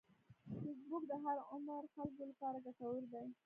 فېسبوک د هر عمر خلکو لپاره ګټور دی